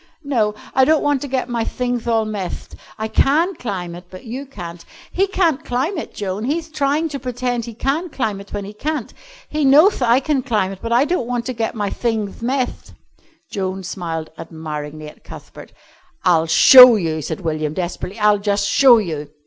"No, I don't want to get my thingth all methed. I can climb it, but you can't. He can't climb it, Joan, he'th trying to pretend he can climb it when he can't. He knowth I can climb it, but I don't want to get my thingth methed." Joan smiled admiringly at Cuthbert. "I'll show you," said William desperately. "I'll just show you."